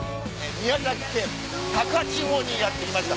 宮崎県高千穂にやって来ました。